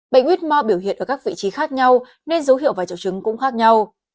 bệnh huyết mò biểu hiện ở các vị trí khác nhau nên dấu hiệu và trợ chứng cũng khác nhau